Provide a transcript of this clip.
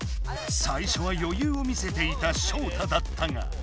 さいしょはよゆうを見せていたショウタだったが。